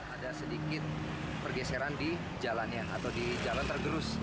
ada sedikit pergeseran di jalannya atau di jalan tergerus